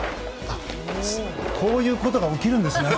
こういうことが起きるんですね。